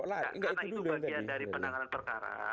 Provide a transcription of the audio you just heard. karena itu bagian dari penanganan perkara